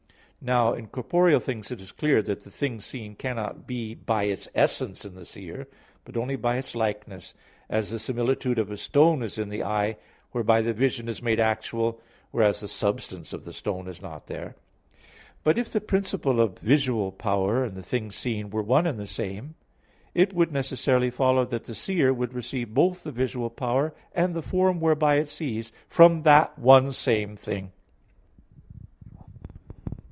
Now in corporeal things it is clear that the thing seen cannot be by its essence in the seer, but only by its likeness; as the similitude of a stone is in the eye, whereby the vision is made actual; whereas the substance of the stone is not there. But if the principle of the visual power and the thing seen were one and the same thing, it would necessarily follow that the seer would receive both the visual power and the form whereby it sees, from that one same thing.